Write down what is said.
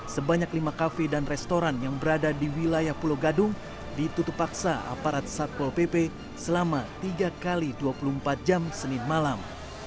sebanyak lima kafe dan restoran yang berada di wilayah pulau gadung ditutup paksa aparat satpol pp selama tiga x dua puluh empat jam senin malam